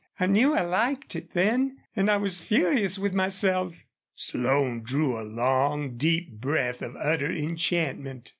I knew I liked it then and I was furious with myself." Slone drew a long, deep breath of utter enchantment.